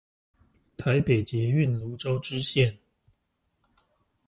台北捷運蘆洲支線